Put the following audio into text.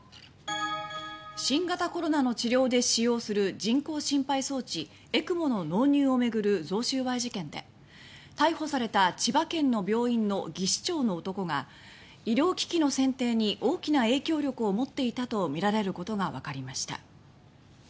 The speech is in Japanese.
新型コロナの治療で使用する人工心肺装置・ＥＣＭＯの納入を巡る増収賄事件で逮捕された千葉県の病院の技士長の男が医療機器の選定に大きな影響力を持っていたとみられることがわかりました。